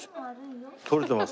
撮れてます？